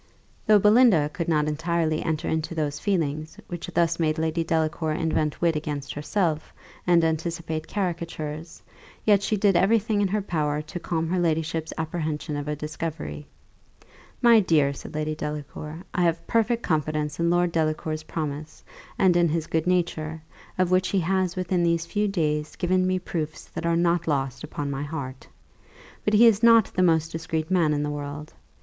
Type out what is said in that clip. Though Belinda could not entirely enter into those feelings, which thus made Lady Delacour invent wit against herself, and anticipate caricatures; yet she did every thing in her power to calm her ladyship's apprehension of a discovery. "My dear," said Lady Delacour, "I have perfect confidence in Lord Delacour's promise, and in his good nature, of which he has within these few days given me proofs that are not lost upon my heart; but he is not the most discreet man in the world.